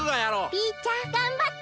ピーちゃんがんばって。